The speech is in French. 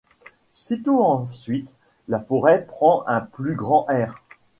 Sitôt ensuite, la forêt prend un plus grand air.